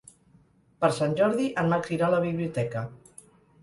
Per Sant Jordi en Max irà a la biblioteca.